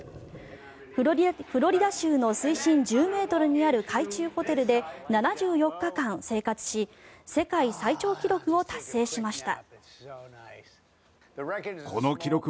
フロリダ州の水深１０ｍにある海中ホテルで７４日間生活し世界最長記録を達成しました。